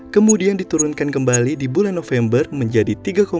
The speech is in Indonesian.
kemudian diturunkan kembali di bulan november menjadi tiga tujuh puluh lima